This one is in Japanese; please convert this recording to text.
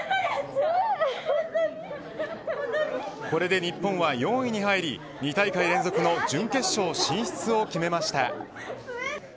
これで日本は４位に入り２大会連続の準決勝進出を決めました。